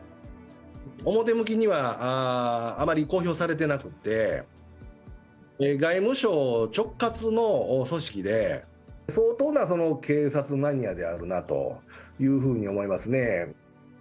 表向きには、あまり公表されてなくって、外務省直轄の組織で、相当な警察マニアであるなというふうに思いますね。